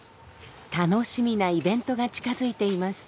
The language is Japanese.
楽しみなイベントが近づいています。